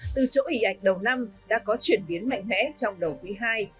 từ chỗ ủy ảnh đầu năm đã có chuyển biến mạnh mẽ trong đầu quỹ hai